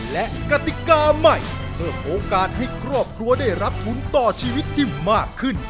และกติกาใหม่เพิ่มโอกาสให้ครอบครัวได้รับทุนต่อชีวิตที่มากขึ้น